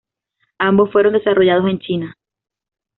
Ambos fueron desarrollados en China.